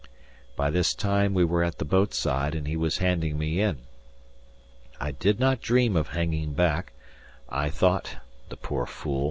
* Fox. By this time we were at the boat side, and he was handing me in. I did not dream of hanging back; I thought (the poor fool!)